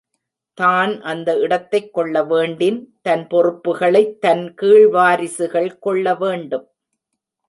தான் அந்த இடத்தைக் கொள்ள வேண்டின், தன் பொறுப்புகளைத் தன் கீழ்வாரிசுகள் கொள்ளவேண்டும்.